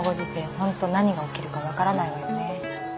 本当何が起きるか分からないわよね。